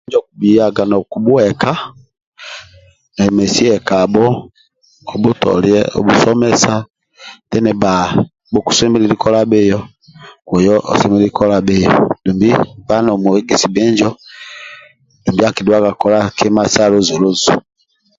menjo okuyaga nokubuheka nomesi hekabo obutoliye obusomesa otini ba bukusemelelu kola biyo oyo oselelu kola biyo dumbi nkpa nomwegisi binjo dumbi akidhuwaga kola kima sa luzu luzu